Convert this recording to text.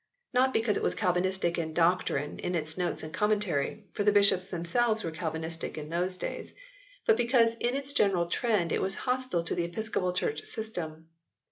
Not because it was Calvinistic in doctrine in its notes and commentary, for the bishops them selves were Calvinistic in those days, but because in its general trend it was hostile to the episcopal church system.